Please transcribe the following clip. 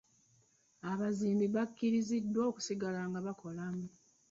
Abazimbi bakkiriziddwa okusigala nga bakola.